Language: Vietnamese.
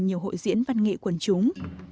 nhiều hội diễn văn nghệ quần chúng